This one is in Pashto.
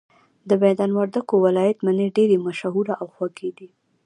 د ميدان وردګو ولايت مڼي ډيري مشهوره او خوږې دي